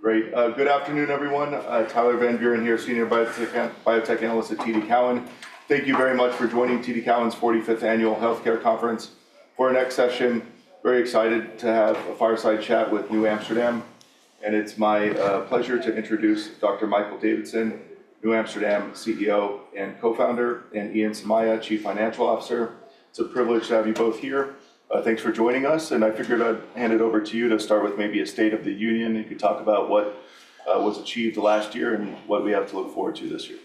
Great. Good afternoon, everyone. Tyler Van Buren here, Senior Biotech Analyst at TD Cowen. Thank you very much for joining TD Cowen's 45th Annual Healthcare Conference. For our next session, very excited to have a fireside chat with NewAmsterdam, and it's my pleasure to introduce Dr. Michael Davidson, NewAmsterdam CEO and co-founder, and Ian Somaiya, Chief Financial Officer. It's a privilege to have you both here. Thanks for joining us, and I figured I'd hand it over to you to start with maybe a State of the Union. You could talk about what was achieved last year and what we have to look forward to this year.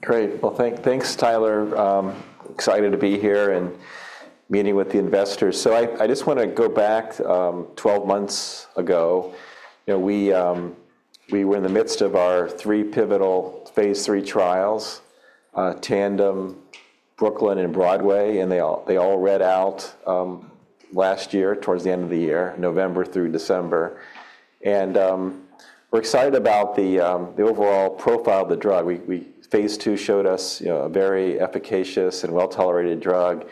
Great. Well, thanks, Tyler. Excited to be here and meeting with the investors, so I just want to go back 12 months ago. We were in the midst of our three pivotal Phase 3 trials, TANDEM, BROOKLYN, and BROADWAY, and they all read out last year towards the end of the year, November through December, and we're excited about the overall profile of the drug. Phase 2 showed us a very efficacious and well-tolerated drug.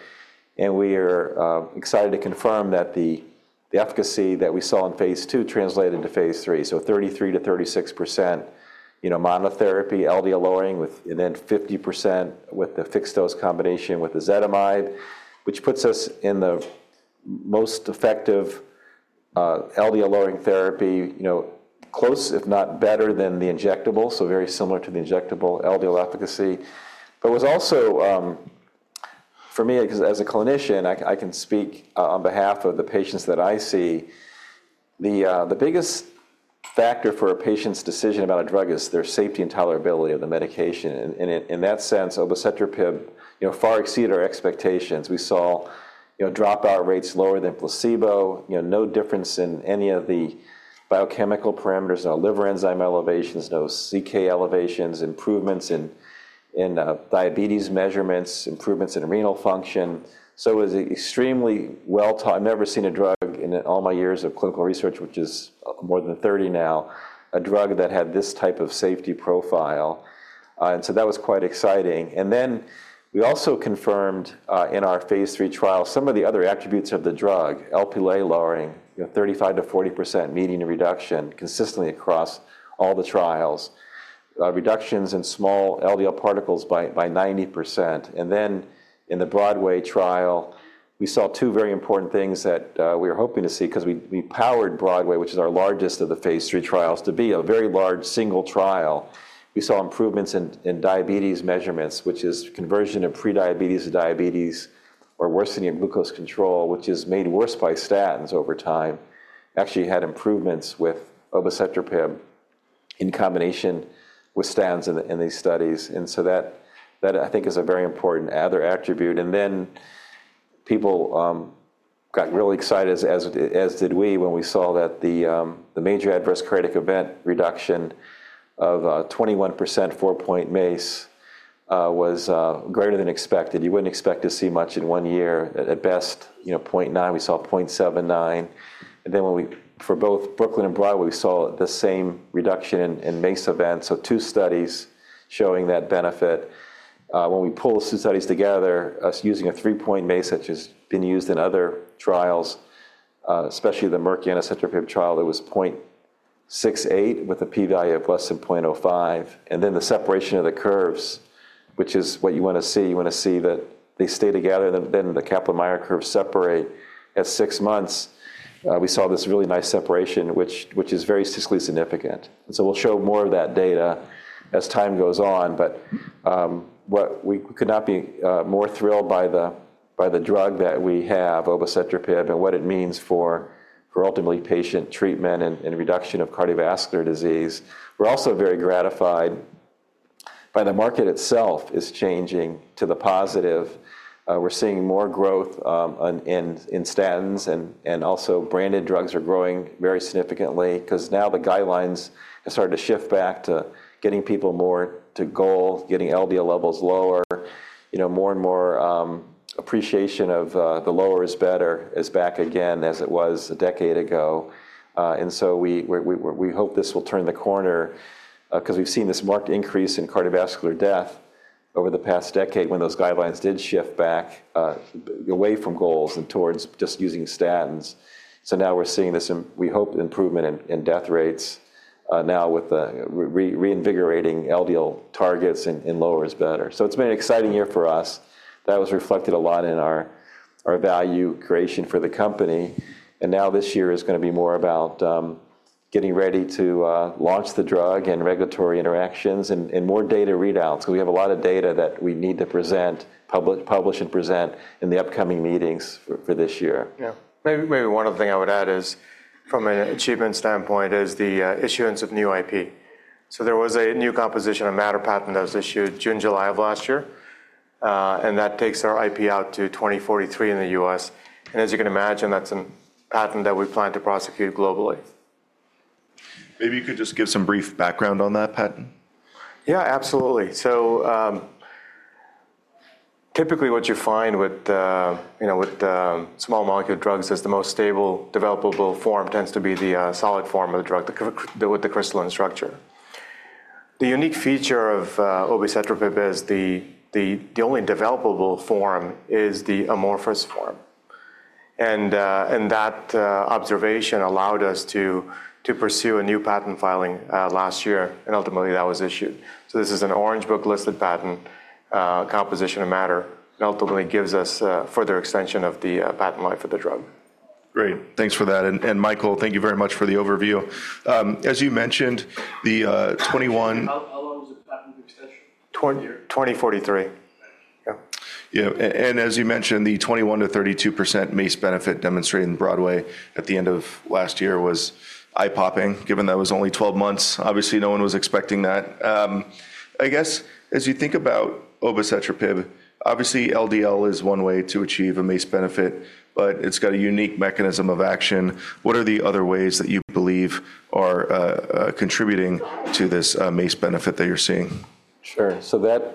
And we are excited to confirm that the efficacy that we saw in Phase 2 translated to Phase 3, so 33% to 36% monotherapy, LDL lowering, and then 50% with the fixed-dose combination with ezetimibe, which puts us in the most effective LDL-lowering therapy, close, if not better, than the injectable, so very similar to the injectable LDL efficacy. But it was also, for me, as a clinician, I can speak on behalf of the patients that I see. The biggest factor for a patient's decision about a drug is their safety and tolerability of the medication. And in that sense, obicetrapib far exceeded our expectations. We saw dropout rates lower than placebo, no difference in any of the biochemical parameters, no liver enzyme elevations, no CK elevations, improvements in diabetes measurements, improvements in renal function. So it was extremely well-tolerated. I've never seen a drug in all my years of clinical research, which is more than 30 now, a drug that had this type of safety profile. And so that was quite exciting. And then we also confirmed in our Phase 3 trial some of the other attributes of the drug, Lp(a) lowering, 35%-40% median reduction consistently across all the trials, reductions in small LDL particles by 90%. And then in the Broadway trial, we saw two very important things that we were hoping to see because we powered Broadway, which is our largest of the Phase 3 trials, to be a very large single trial. We saw improvements in diabetes measurements, which is conversion of prediabetes to diabetes or worsening of glucose control, which is made worse by statins over time. Actually, had improvements with obicetrapib in combination with statins in these studies. And so that, I think, is a very important other attribute. Then people got really excited, as did we, when we saw that the major adverse cardiac event reduction of 21% for three-point MACE was greater than expected. You wouldn't expect to see much in one year. At best, 0.9. We saw 0.79. And then for both Brooklyn and Broadway, we saw the same reduction in MACE events. So two studies showing that benefit. When we pull the two studies together, using a three-point MACE, which has been used in other trials, especially the Merck anacetrapib trial, it was 0.68 with a P-value of less than 0.05. And then the separation of the curves, which is what you want to see. You want to see that they stay together. And then the Kaplan-Meier curves separate. At six months, we saw this really nice separation, which is very statistically significant. And so we'll show more of that data as time goes on. But we could not be more thrilled by the drug that we have, obicetrapib, and what it means for ultimately patient treatment and reduction of cardiovascular disease. We're also very gratified by the market itself is changing to the positive. We're seeing more growth in statins. And also branded drugs are growing very significantly because now the guidelines have started to shift back to getting people more to goal, getting LDL levels lower. More and more appreciation of the lower is better is back again as it was a decade ago. And so we hope this will turn the corner because we've seen this marked increase in cardiovascular death over the past decade when those guidelines did shift back away from goals and towards just using statins. So now we're seeing this, we hope, improvement in death rates now with the reinvigorating LDL targets and lower is better. So it's been an exciting year for us. That was reflected a lot in our value creation for the company. And now this year is going to be more about getting ready to launch the drug and regulatory interactions and more data readouts. We have a lot of data that we need to publish and present in the upcoming meetings for this year. Yeah. Maybe one other thing I would add is from an achievement standpoint is the issuance of new IP. So there was a new composition of matter patent that was issued June-July of last year. And that takes our IP out to 2043 in the U.S. And as you can imagine, that's a patent that we plan to prosecute globally. Maybe you could just give some brief background on that patent? Yeah, absolutely. So typically what you find with small molecule drugs is the most stable developable form tends to be the solid form of the drug with the crystalline structure. The unique feature of obicetrapib is the only developable form is the amorphous form. And that observation allowed us to pursue a new patent filing last year. And ultimately, that was issued. So this is an Orange Book-listed patent, composition of matter, and ultimately gives us further extension of the patent life of the drug. Great. Thanks for that. And Michael, thank you very much for the overview. As you mentioned, the 21. 2043. Yeah. And as you mentioned, the 21%-32% MACE benefit demonstrated in Broadway at the end of last year was eye-popping, given that it was only 12 months. Obviously, no one was expecting that. I guess as you think about obicetrapib, obviously LDL is one way to achieve a MACE benefit, but it's got a unique mechanism of action. What are the other ways that you believe are contributing to this MACE benefit that you're seeing? Sure. So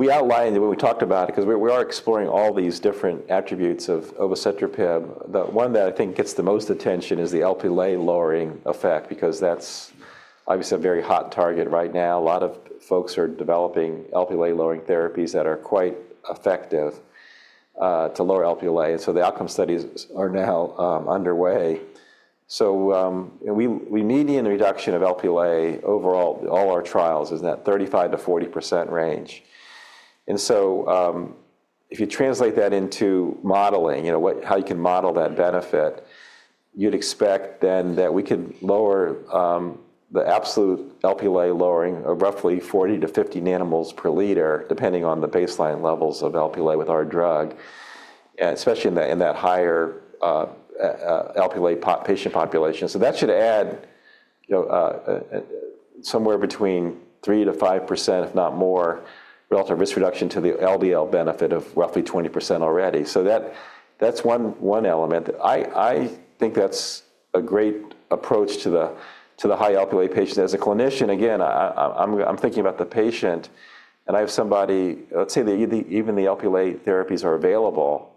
we outlined when we talked about it because we are exploring all these different attributes of obicetrapib. The one that I think gets the most attention is the Lp(a) lowering effect because that's obviously a very hot target right now. A lot of folks are developing Lp(a) lowering therapies that are quite effective to lower Lp(a). And so the outcome studies are now underway. So the median reduction of Lp(a) overall, all our trials, is in that 35%-40% range. And so if you translate that into modeling, how you can model that benefit, you'd expect then that we could lower the absolute Lp(a) lowering of roughly 40-50 nanomoles per liter, depending on the baseline levels of Lp(a) with our drug, especially in that higher Lp(a) patient population. So that should add somewhere between 3%-5%, if not more, relative risk reduction to the LDL benefit of roughly 20% already. So that's one element. I think that's a great approach to the high Lp(a) patient. As a clinician, again, I'm thinking about the patient. And I have somebody, let's say even the Lp(a) therapies are available,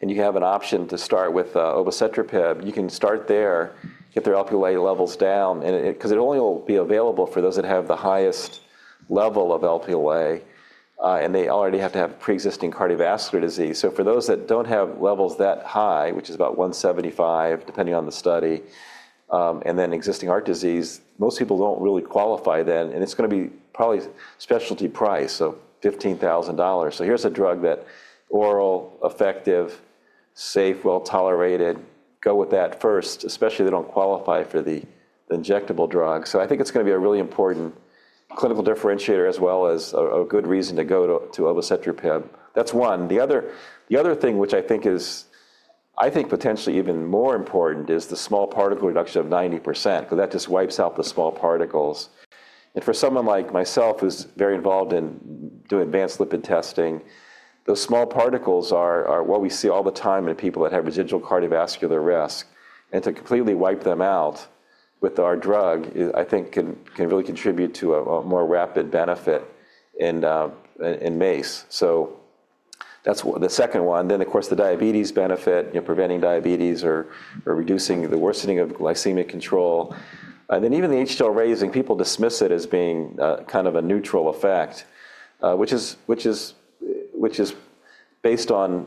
and you have an option to start with obicetrapib. You can start there, get their Lp(a) levels down, because it only will be available for those that have the highest level of Lp(a). And they already have to have pre-existing cardiovascular disease. So for those that don't have levels that high, which is about 175, depending on the study, and then existing heart disease, most people don't really qualify then. And it's going to be probably specialty price, so $15,000. So here's a drug that's oral, effective, safe, well-tolerated. Go with that first, especially if they don't qualify for the injectable drug, so I think it's going to be a really important clinical differentiator as well as a good reason to go to obicetrapib. That's one. The other thing, which I think is potentially even more important, is the small particle reduction of 90% because that just wipes out the small particles, and for someone like myself who's very involved in doing advanced lipid testing, those small particles are what we see all the time in people that have residual cardiovascular risk, and to completely wipe them out with our drug, I think, can really contribute to a more rapid benefit in MACE, so that's the second one, then of course, the diabetes benefit, preventing diabetes or reducing the worsening of glycemic control. and then even the HDL raising, people dismiss it as being kind of a neutral effect, which is based on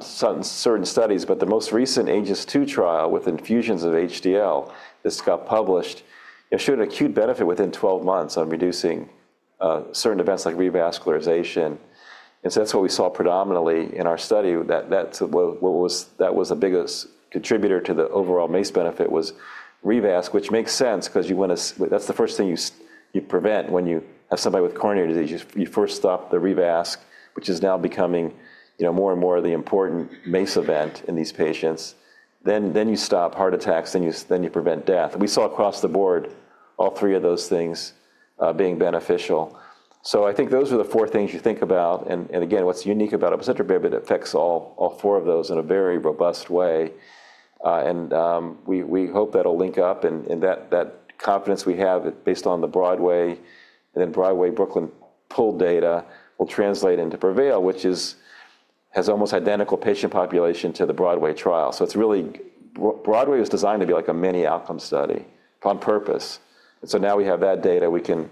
certain studies, but the most recent AEGIS-II trial with infusions of HDL that's got published showed an acute benefit within 12 months on reducing certain events like revascularization, and so that's what we saw predominantly in our study. That was the biggest contributor to the overall MACE benefit was revascularization, which makes sense because that's the first thing you prevent when you have somebody with coronary disease. You first stop the revascularization, which is now becoming more and more the important MACE event in these patients, then you stop heart attacks, then you prevent death. We saw across the board all three of those things being beneficial, so I think those are the four things you think about. And again, what's unique about obicetrapib? It affects all four of those in a very robust way. We hope that'll link up. That confidence we have based on the Broadway and then Broadway-Brooklyn pooled data will translate into PREVAIL, which has almost identical patient population to the Broadway trial. It's really Broadway was designed to be like a mini outcome study on purpose. So now we have that data. We can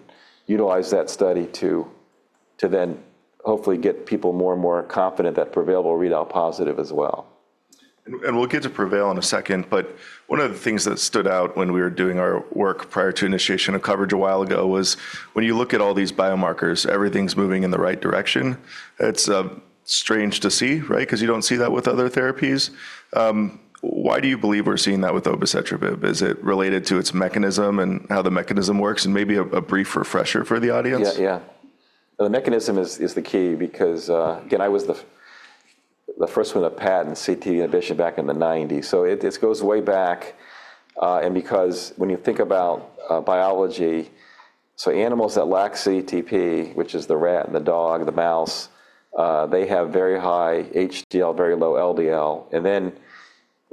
utilize that study to then hopefully get people more and more confident that PREVAIL will read out positive as well. We'll get to PREVAIL in a second. But one of the things that stood out when we were doing our work prior to initiation of coverage a while ago was when you look at all these biomarkers, everything's moving in the right direction. It's strange to see, right? Because you don't see that with other therapies. Why do you believe we're seeing that with obicetrapib? Is it related to its mechanism and how the mechanism works? Maybe a brief refresher for the audience. Yeah, yeah. The mechanism is the key because, again, I was the first one to patent CETP inhibition back in the '90s. So it goes way back. Because when you think about biology, animals that lack CETP, which is the rat, the dog, the mouse, they have very high HDL, very low LDL. Then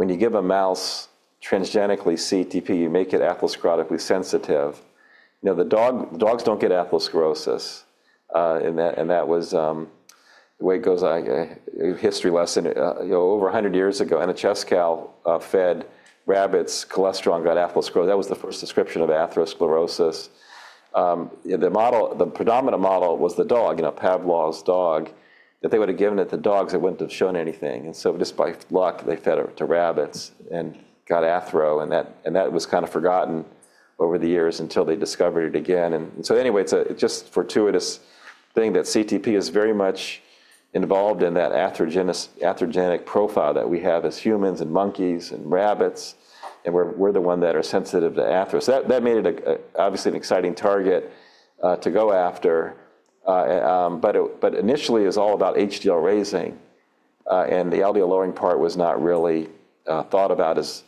when you give a mouse transgenically CETP, you make it atherosclerotic sensitive. The dogs don't get atherosclerosis. That was the way it goes. History lesson. Over 100 years ago, cholesterol-fed rabbits got atherosclerosis. That was the first description of atherosclerosis. The predominant model was the dog, Pavlov's dog, that they would have given it to dogs that wouldn't have shown anything. So just by luck, they fed it to rabbits and got athero. That was kind of forgotten over the years until they discovered it again. Anyway, it's just a fortuitous thing that CETP is very much involved in that atherogenic profile that we have as humans and monkeys and rabbits. We're the ones that are sensitive to atheros. That made it obviously an exciting target to go after. Initially, it was all about HDL raising. The LDL lowering part was not really thought about as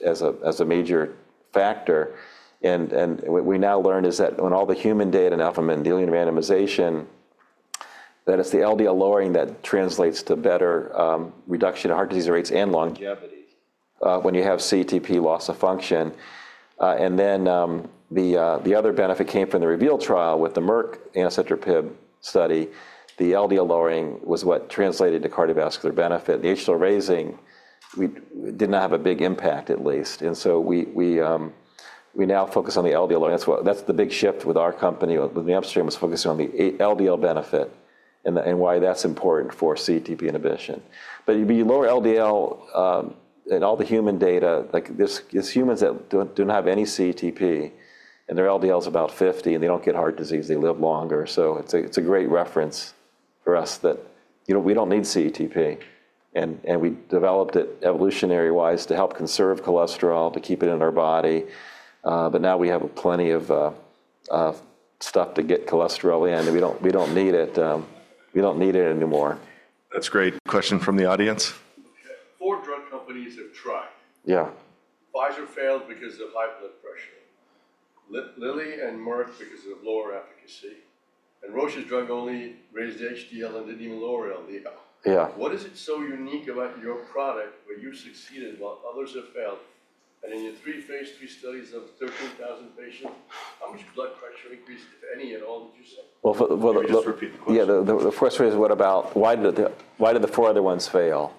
a major factor. What we now learned is that, when all the human data and Mendelian randomization, it's the LDL lowering that translates to better reduction in heart disease rates and longevity when you have CETP loss of function. Then the other benefit came from the REVEAL trial with the Merck anacetrapib study. The LDL lowering was what translated to cardiovascular benefit. The HDL raising did not have a big impact, at least, and so we now focus on the LDL lowering. That's the big shift with our company. The upstream was focusing on the LDL benefit and why that's important for CETP inhibition. But you lower LDL in all the human data. There's humans that don't have any CETP, and their LDL is about 50. And they don't get heart disease. They live longer. So it's a great reference for us that we don't need CETP. And we developed it evolutionary-wise to help conserve cholesterol, to keep it in our body. But now we have plenty of stuff to get cholesterol in. We don't need it. We don't need it anymore. That's a great question from the audience. Four drug companies have tried. Yeah. Pfizer failed because of high blood pressure. Lilly and Merck because of lower efficacy, and Roche's drug only raised HDL and didn't even lower LDL. Yeah. What is so unique about your product where you succeeded while others have failed? In your three Phase 3 studies of 13,000 patients, how much blood pressure increased, if any, at all, did you say? The first question. Yeah, the first question is, what about why did the four other ones fail?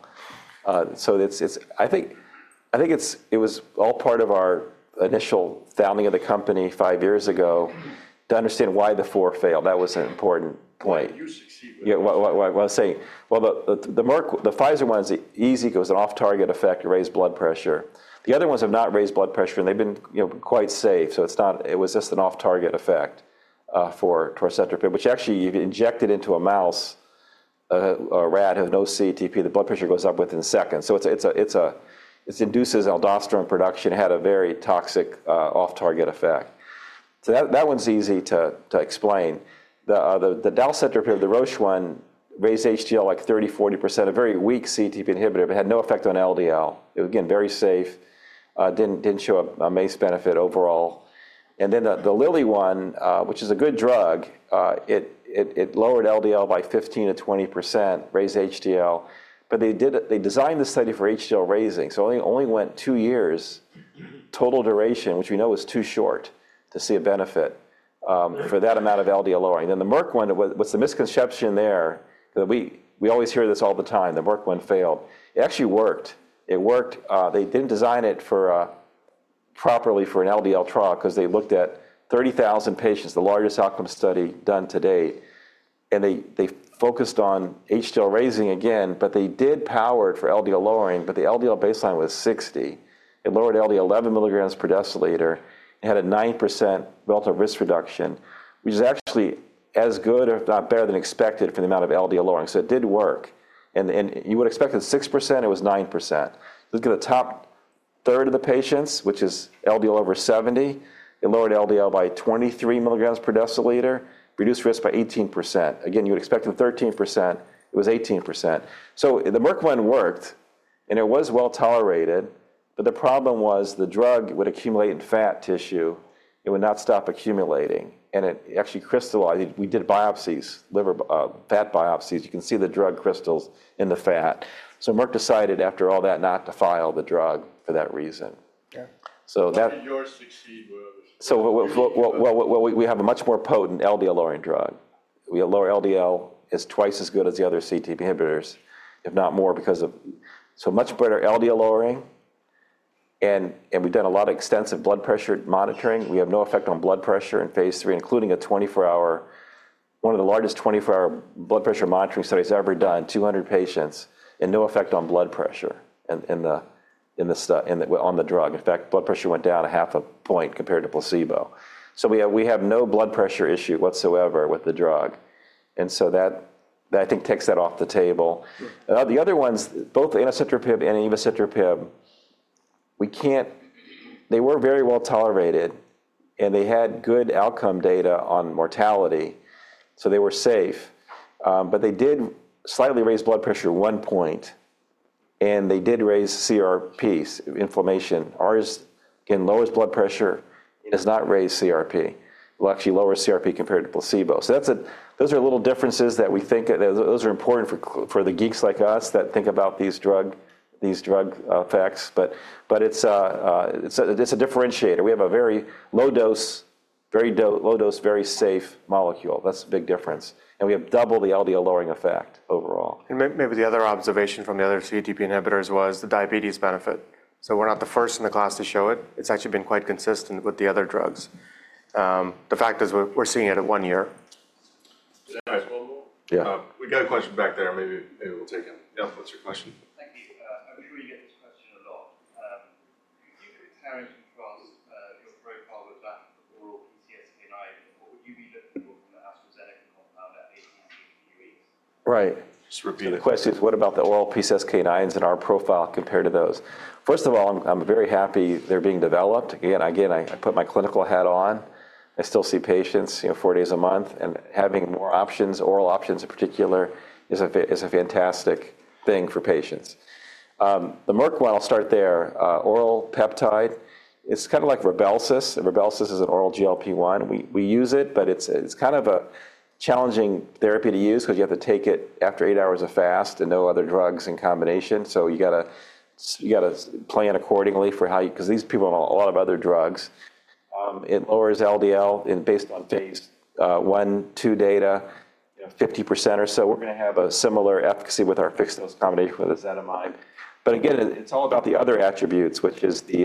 So I think it was all part of our initial founding of the company five years ago to understand why the four failed. That was an important point. How did you succeed with it? The Pfizer one is easy. It was an off-target effect to raise blood pressure. The other ones have not raised blood pressure, and they've been quite safe. So it was just an off-target effect for obicetrapib, which actually you've injected into a mouse, a rat who has no CETP. The blood pressure goes up within seconds. So it induces aldosterone production, had a very toxic off-target effect. So that one's easy to explain. The dalcetrapib, the Roche one, raised HDL like 30%, 40%, a very weak CETP inhibitor, but had no effect on LDL. It was, again, very safe. Didn't show a MACE benefit overall. And then the Lilly one, which is a good drug, it lowered LDL by 15%-20%, raised HDL. But they designed the study for HDL raising. It only went two years, total duration, which we know was too short to see a benefit for that amount of LDL lowering. Then the Merck one, what's the misconception there? We always hear this all the time. The Merck one failed. It actually worked. It worked. They didn't design it properly for an LDL trial because they looked at 30,000 patients, the largest outcome study done to date. And they focused on HDL raising again, but they did power it for LDL lowering. But the LDL baseline was 60. It lowered LDL to 11 milligrams per deciliter and had a 9% relative risk reduction, which is actually as good, if not better than expected for the amount of LDL lowering. So it did work. And you would expect at 6%, it was 9%. Look at the top third of the patients, which is LDL over 70. It lowered LDL by 23 milligrams per deciliter, reduced risk by 18%. Again, you would expect at 13%, it was 18%. So the Merck one worked, and it was well tolerated. But the problem was the drug would accumulate in fat tissue. It would not stop accumulating. And it actually crystallized. We did biopsies, fat biopsies. You can see the drug crystals in the fat. So Merck decided after all that not to file the drug for that reason. How did yours succeed with obicetrapib? We have a much more potent LDL lowering drug. We have lower LDL. It's twice as good as the other CTP inhibitors, if not more, because of so much better LDL lowering. And we've done a lot of extensive blood pressure monitoring. We have no effect on blood pressure in Phase 3, including a 24-hour, one of the largest 24-hour blood pressure monitoring studies ever done, 200 patients, and no effect on blood pressure on the drug. In fact, blood pressure went down a half a point compared to placebo. So we have no blood pressure issue whatsoever with the drug. And so that, I think, takes that off the table. The other ones, both the anacetrapib and the evacetrapib, they were very well tolerated, and they had good outcome data on mortality. So they were safe. But they did slightly raise blood pressure at one point, and they did raise CRP, inflammation. Ours, again, lowers blood pressure and does not raise CRP. It will actually lower CRP compared to placebo. So those are little differences that we think those are important for the geeks like us that think about these drug effects. But it's a differentiator. We have a very low-dose, very safe molecule. That's a big difference. And we have double the LDL lowering effect overall. Maybe the other observation from the other CTP inhibitors was the diabetes benefit. We're not the first in the class to show it. It's actually been quite consistent with the other drugs. The fact is we're seeing it at one year. Did I miss one more? Yeah. We got a question back there. Maybe we'll take it. Yeah, what's your question? Thank you. I'm sure you get this question a lot. If you could compare your profile with that oral PCSK9, what would you be looking for from the AstraZeneca compound at 18 weeks? Right. The question is, what about the oral PCSK9s in our profile compared to those? First of all, I'm very happy they're being developed. Again, I put my clinical hat on. I still see patients four days a month. And having more options, oral options in particular, is a fantastic thing for patients. The Merck one, I'll start there. Oral peptide. It's kind of like Rybelsus. Rybelsus is an oral GLP-1. We use it, but it's kind of a challenging therapy to use because you have to take it after eight hours of fast and no other drugs in combination. So you got to plan accordingly for how you because these people are on a lot of other drugs. It lowers LDL based on phase 1, 2 data, 50% or so. We're going to have a similar efficacy with our fixed-dose combination with ezetimibe. But again, it's all about the other attributes, which is the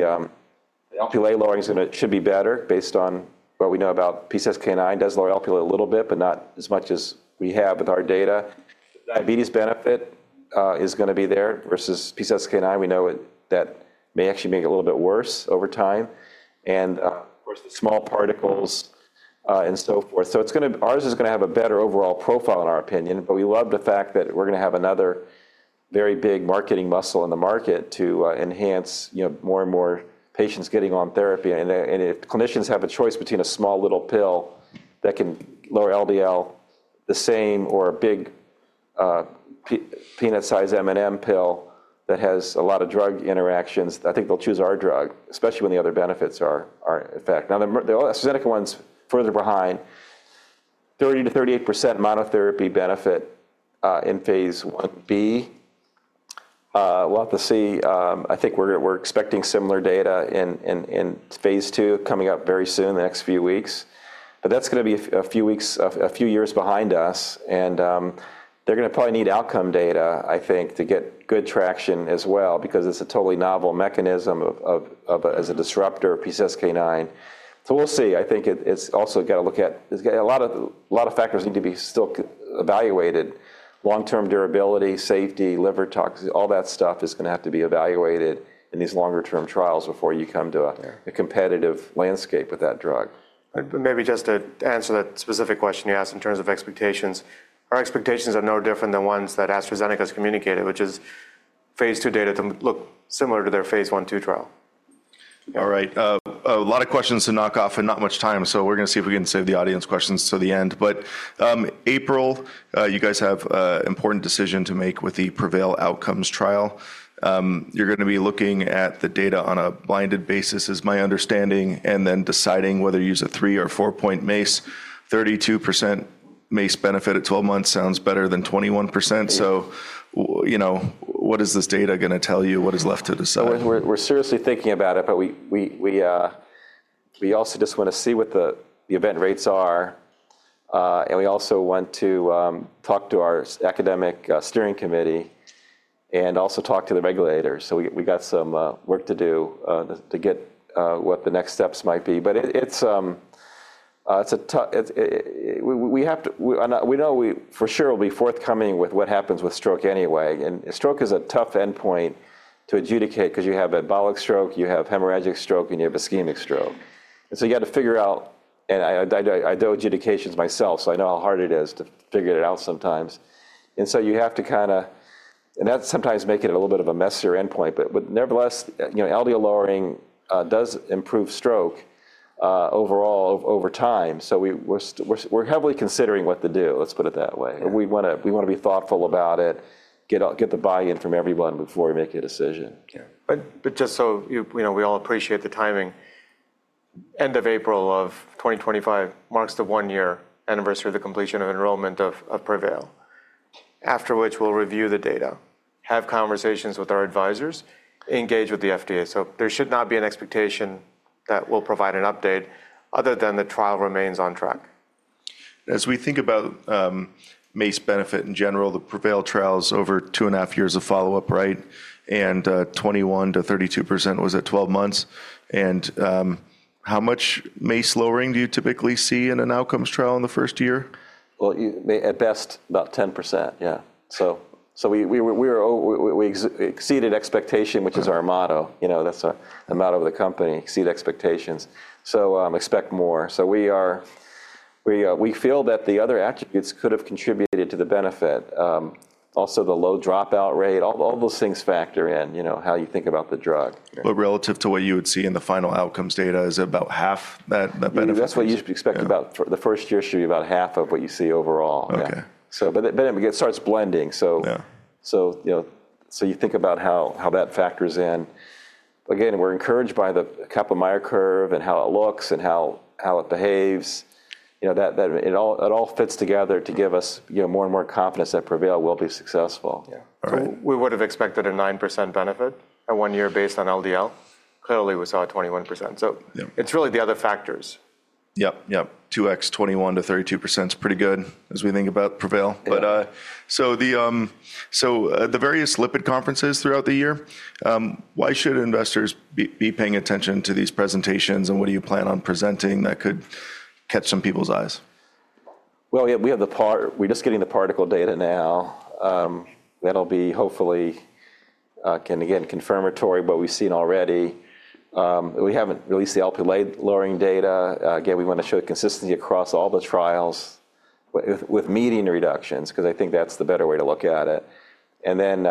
LDL lowering should be better based on what we know about PCSK9. It does lower LDL a little bit, but not as much as we have with our data. Diabetes benefit is going to be there versus PCSK9. We know that may actually make it a little bit worse over time. And of course, the small particles and so forth. So ours is going to have a better overall profile, in our opinion. But we love the fact that we're going to have another very big marketing muscle in the market to enhance more and more patients getting on therapy. And if clinicians have a choice between a small little pill that can lower LDL the same or a big peanut-sized M&M pill that has a lot of drug interactions, I think they'll choose our drug, especially when the other benefits are in effect. Now, the AstraZeneca one's further behind, 30%-38% monotherapy benefit in Phase 1b. We'll have to see. I think we're expecting similar data in Phase 2 coming up very soon, the next few weeks. But that's going to be a few years behind us. And they're going to probably need outcome data, I think, to get good traction as well because it's a totally novel mechanism as a disruptor of PCSK9. So we'll see. I think it's also got to look at a lot of factors need to be still evaluated. Long-term durability, safety, liver toxicity, all that stuff is going to have to be evaluated in these longer-term trials before you come to a competitive landscape with that drug. Maybe just to answer that specific question you asked in terms of expectations, our expectations are no different than ones that AstraZeneca has communicated, which is Phase 2 data to look similar to their Phase 1, 2 trial. All right. A lot of questions to knock off and not much time. So we're going to see if we can save the audience questions to the end. But April, you guys have an important decision to make with the PREVAIL outcomes trial. You're going to be looking at the data on a blinded basis, is my understanding, and then deciding whether to use a three or four-point MACE. 32% MACE benefit at 12 months sounds better than 21%. So what is this data going to tell you? What is left to decide? We're seriously thinking about it, but we also just want to see what the event rates are. And we also want to talk to our academic steering committee and also talk to the regulators. So we got some work to do to get what the next steps might be. But we know for sure we'll be forthcoming with what happens with stroke anyway. And stroke is a tough endpoint to adjudicate because you have embolic stroke, you have hemorrhagic stroke, and you have ischemic stroke. And so you got to figure out, and I do adjudications myself, so I know how hard it is to figure it out sometimes. And so you have to kind of, and that's sometimes making it a little bit of a messier endpoint. But nevertheless, LDL lowering does improve stroke overall over time. So we're heavily considering what to do, let's put it that way. We want to be thoughtful about it, get the buy-in from everyone before we make a decision. Yeah. But just so we all appreciate the timing, end of April of 2025 marks the one-year anniversary of the completion of enrollment of PREVAIL, after which we'll review the data, have conversations with our advisors, engage with the FDA. So there should not be an expectation that we'll provide an update other than the trial remains on track. As we think about MACE benefit in general, the PREVAIL trial is over two and a half years of follow-up, right? And 21%-32% was at 12 months. And how much MACE lowering do you typically see in an outcomes trial in the first year? At best, about 10%, yeah. So we exceeded expectation, which is our motto. That's the motto of the company, exceed expectations. So expect more. So we feel that the other attributes could have contributed to the benefit. Also, the low dropout rate, all those things factor in how you think about the drug. But relative to what you would see in the final outcomes data, is it about half that benefit? That's what you should expect about the first year should be about half of what you see overall. But it starts blending. So you think about how that factors in. Again, we're encouraged by the Kaplan-Meier curve and how it looks and how it behaves. It all fits together to give us more and more confidence that PREVAIL will be successful. Yeah. So we would have expected a 9% benefit at one year based on LDL. Clearly, we saw a 21%. So it's really the other factors. Yep, yep. 2x 21%-32% is pretty good as we think about PREVAIL. So the various lipid conferences throughout the year, why should investors be paying attention to these presentations? And what do you plan on presenting that could catch some people's eyes? We're just getting the particle data now. That'll be hopefully, again, confirmatory of what we've seen already. We haven't released the Lp(a)-lowering data. Again, we want to show consistency across all the trials with median reductions because I think that's the better way to look at it. And then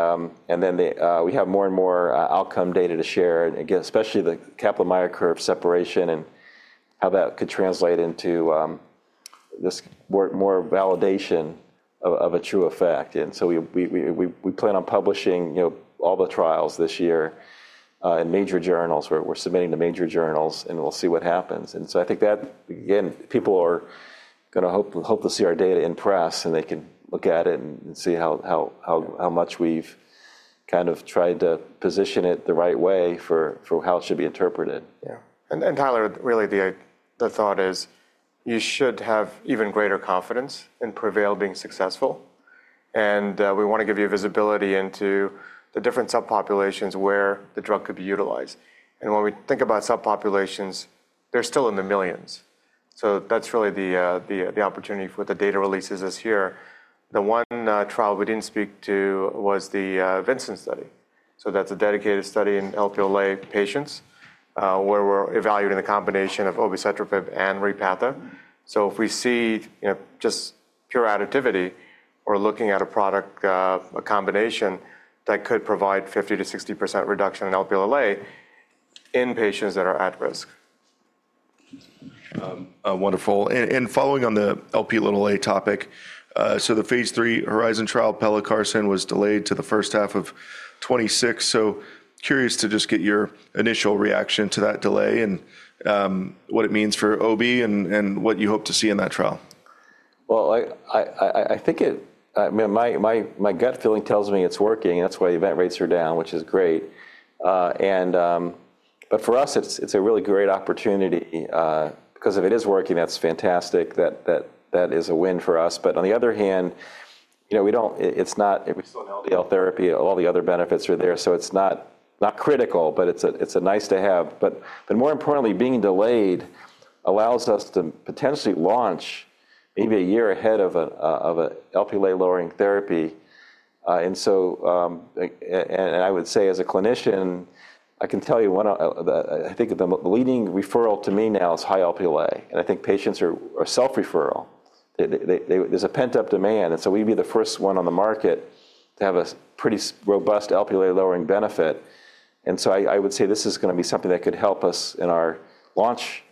we have more and more outcome data to share, especially the Kaplan-Meier curve separation and how that could translate into this more validation of a true effect. And so we plan on publishing all the trials this year in major journals. We're submitting to major journals, and we'll see what happens. And so I think that, again, people are going to hope to see our data in press, and they can look at it and see how much we've kind of tried to position it the right way for how it should be interpreted. Yeah. And Tyler, really the thought is you should have even greater confidence in PREVAIL being successful. And we want to give you visibility into the different subpopulations where the drug could be utilized. And when we think about subpopulations, they're still in the millions. So that's really the opportunity for the data releases this year. The one trial we didn't speak to was the Vincent Gogh. So that's a dedicated study in Lp(a) patients where we're evaluating the combination of obicetrapib and Repatha. So if we see just pure additivity or looking at a product, a combination that could provide 50%-60% reduction in Lp(a) in patients that are at risk. Wonderful. And following on the Lp(a) topic, so the Phase 3 HORIZON trial, pelacarsen was delayed to the first half of 2026. So curious to just get your initial reaction to that delay and what it means for OB and what you hope to see in that trial. I think my gut feeling tells me it's working. That's why event rates are down, which is great. But for us, it's a really great opportunity. Because if it is working, that's fantastic. That is a win for us. But on the other hand, it's not therapy. All the other benefits are there. So it's not critical, but it's a nice to have. But more importantly, being delayed allows us to potentially launch maybe a year ahead of an Lp(a)-lowering therapy. And I would say as a clinician, I can tell you I think the leading referral to me now is high Lp(a). And I think patients are self-referral. There's a pent-up demand. And so we'd be the first one on the market to have a pretty robust Lp(a)-lowering benefit. And so I would say this is going to be something that could help us in our launch.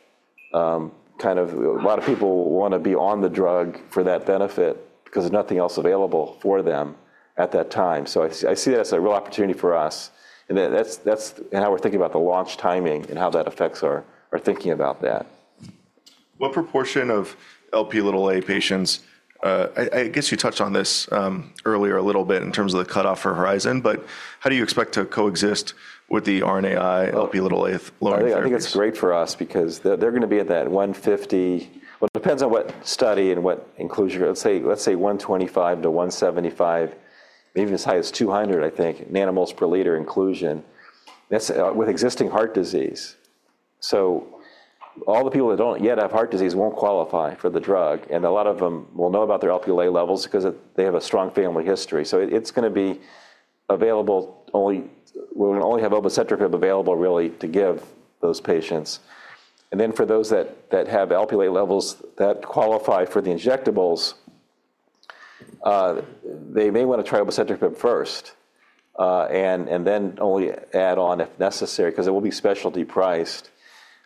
Kind of a lot of people want to be on the drug for that benefit because there's nothing else available for them at that time. So I see that as a real opportunity for us. And that's how we're thinking about the launch timing and how that affects our thinking about that. What proportion of Lp(a) patients I guess you touched on this earlier a little bit in terms of the cutoff for Horizon, but how do you expect to coexist with the RNAi Lp(a) lowering therapy? I think it's great for us because they're going to be at that 150. Well, it depends on what study and what inclusion. Let's say 125-175, maybe as high as 200, I think, in mg/dL inclusion with existing heart disease. So all the people that don't yet have heart disease won't qualify for the drug. And a lot of them will know about their Lp(a) levels because they have a strong family history. So it's going to be available. We'll only have obicetrapib available really to give those patients. And then for those that have Lp(a) levels that qualify for the injectables, they may want to try obicetrapib first and then only add on if necessary because it will be specialty priced.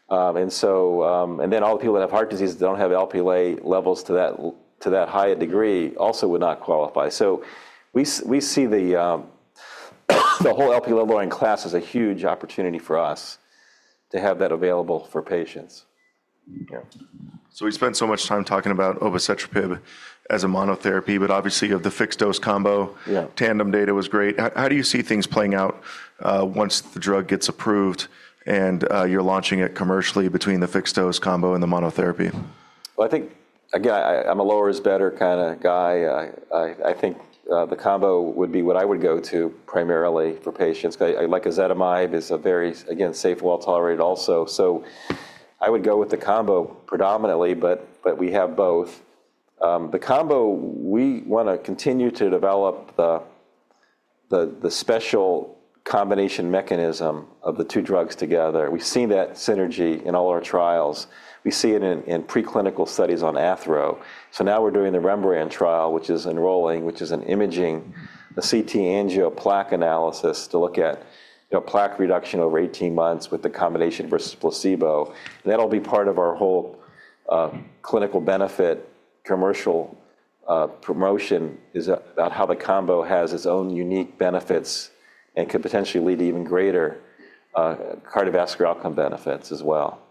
And then all the people that have heart disease that don't have Lp(a) levels to that high degree also would not qualify. So we see the whole Lp(a) lowering class as a huge opportunity for us to have that available for patients. Yeah. So we spent so much time talking about obicetrapib as a monotherapy, but obviously the fixed dose combo, Tandem data was great. How do you see things playing out once the drug gets approved and you're launching it commercially between the fixed dose combo and the monotherapy? I think, again, I'm a lower is better kind of guy. I think the combo would be what I would go to primarily for patients. Like ezetimibe is a very, again, safe, well tolerated also. So I would go with the combo predominantly, but we have both. The combo, we want to continue to develop the special combination mechanism of the two drugs together. We've seen that synergy in all our trials. We see it in preclinical studies on athero. So now we're doing the REMBRANDT trial, which is enrolling, which is an imaging, a CT angio plaque analysis to look at plaque reduction over 18 months with the combination versus placebo. And that'll be part of our whole clinical benefit commercial promotion. It is about how the combo has its own unique benefits and could potentially lead to even greater cardiovascular outcome benefits as well.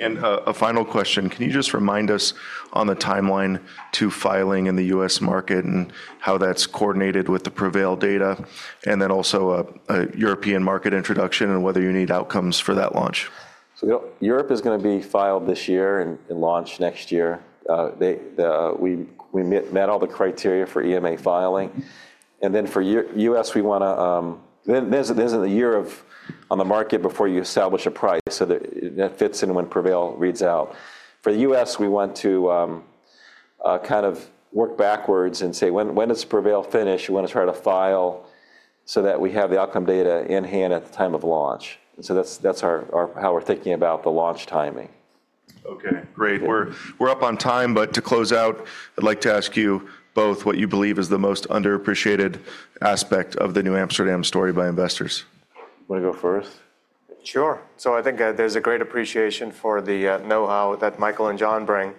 A final question. Can you just remind us on the timeline to filing in the U.S. market and how that's coordinated with the PREVAIL data and then also a European market introduction and whether you need outcomes for that launch? Europe is going to be filed this year and launched next year. We met all the criteria for EMA filing. For U.S., we want to. There's a year on the market before you establish a price so that it fits in when PREVAIL reads out. For the U.S., we want to kind of work backwards and say when does PREVAIL finish, you want to try to file so that we have the outcome data in hand at the time of launch. That's how we're thinking about the launch timing. Okay. Great. We're up on time, but to close out, I'd like to ask you both what you believe is the most underappreciated aspect of the NewAmsterdam story by investors? Want to go first? Sure. So I think there's a great appreciation for the know-how that Michael and John bring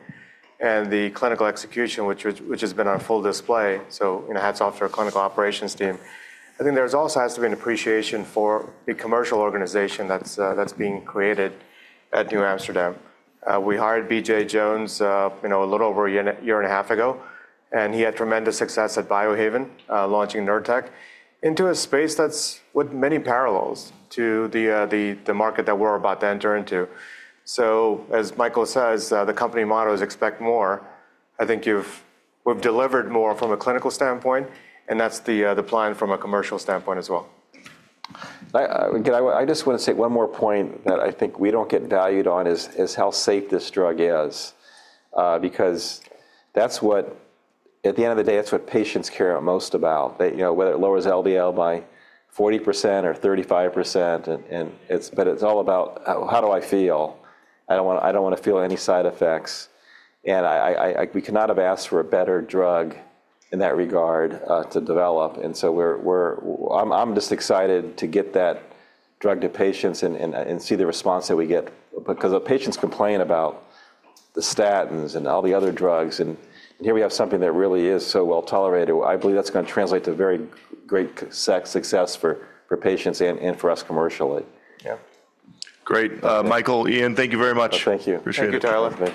and the clinical execution, which has been on full display. So hats off to our clinical operations team. I think there also has to be an appreciation for the commercial organization that's being created at NewAmsterdam. We hired B.J. Jones a little over a year and a half ago, and he had tremendous success at Biohaven launching Nurtec into a space that's with many parallels to the market that we're about to enter into. So as Michael says, the company motto is expect more. I think we've delivered more from a clinical standpoint, and that's the plan from a commercial standpoint as well. I just want to say one more point that I think we don't get valued on is how safe this drug is because at the end of the day, that's what patients care most about, whether it lowers LDL by 40% or 35%. But it's all about how do I feel? I don't want to feel any side effects. And we could not have asked for a better drug in that regard to develop. And so I'm just excited to get that drug to patients and see the response that we get because the patients complain about the statins and all the other drugs. And here we have something that really is so well tolerated. I believe that's going to translate to very great success for patients and for us commercially. Yeah. Great. Michael, Ian, thank you very much. Thank you. Appreciate it. Thank you, Tyler.